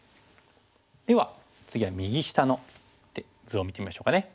では次は右下の図を見てみましょうかね。